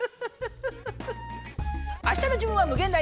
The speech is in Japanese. あしたの自分はむげん大！